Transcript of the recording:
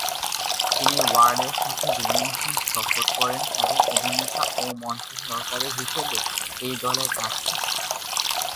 তিনি ওয়ার্ডের সাথে দুই মৌসুম সফর করেন, এবং অভিনেতা ও মঞ্চ সহকারী হিসেবে এই দলে কাজ করতেন।